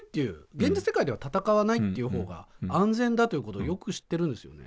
現実世界では戦わないっていうほうが安全だということをよく知ってるんですよね。